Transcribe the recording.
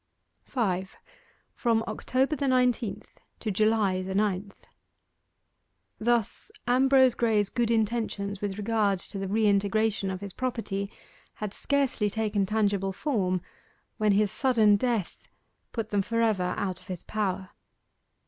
5. FROM OCTOBER THE NINETEENTH TO JULY THE NINTH Thus Ambrose Graye's good intentions with regard to the reintegration of his property had scarcely taken tangible form when his sudden death put them for ever out of his power.